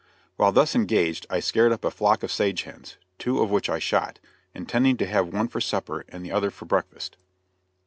While thus engaged, I scared up a flock of sage hens, two of which I shot, intending to have one for supper and the other for breakfast.